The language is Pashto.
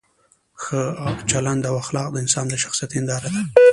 ښه چلند او اخلاق د انسان د شخصیت هنداره ده.